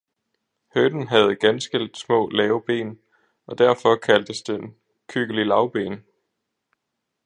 hønen havde ganske små lave ben, og derfor kaldtes den Kykkelilavben.